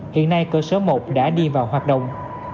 hiện nay cơ sở một đã đi vào hoạt động